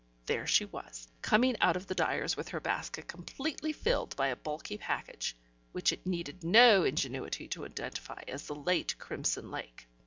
... There she was, coming out of the dyer's with her basket completely filled by a bulky package, which it needed no ingenuity to identify as the late crimson lake.